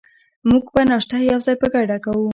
موږ به ناشته یوځای په ګډه کوو.